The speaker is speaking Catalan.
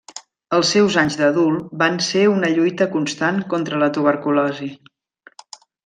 Els seus anys d'adult van ser una lluita constant contra la tuberculosi.